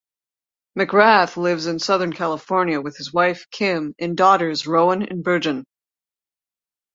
McGrath lives in Southern California with his wife Kim and daughters Rhowan and Bergen.